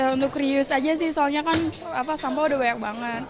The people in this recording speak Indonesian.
untuk rius aja sih soalnya kan sampah udah banyak banget